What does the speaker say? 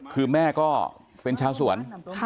คือแม่ก็เป็นชาวสวน